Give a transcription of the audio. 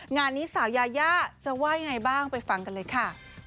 งานนี้สาวยายาจะว่ายังไงบ้างไปฟังกันเลยค่ะ